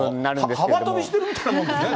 幅跳びしてるようなもんですね。